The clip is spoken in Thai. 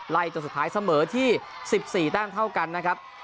จนสุดท้ายเสมอที่๑๔แต้มเท่ากันนะครับ